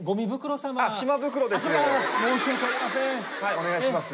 お願いします。